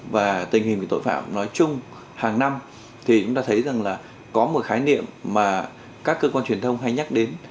và tình hình tội phạm nói chung hàng năm thì chúng ta thấy rằng là có một khái niệm mà các cơ quan truyền thông hay nhắc đến